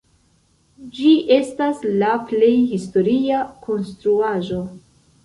Ĝi estas la plej historia konstruaĵo.